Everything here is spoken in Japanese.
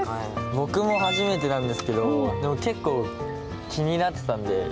僕も初めてなんですけどでも結構気になってたんで歴史とかが好きで。